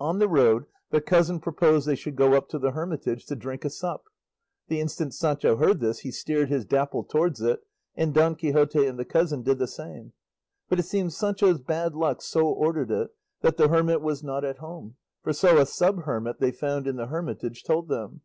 On the road the cousin proposed they should go up to the hermitage to drink a sup. The instant Sancho heard this he steered his Dapple towards it, and Don Quixote and the cousin did the same; but it seems Sancho's bad luck so ordered it that the hermit was not at home, for so a sub hermit they found in the hermitage told them.